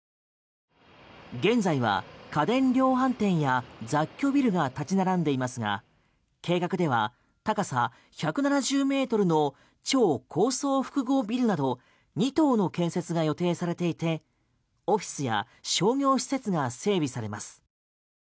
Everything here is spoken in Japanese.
現在は家電量販店や雑居ビルが立ち並んでいますが、計画では高さ１７０ｍの超高層複合ビルなど２棟の建設が予定されていてオフィスや商業施設が整備されます。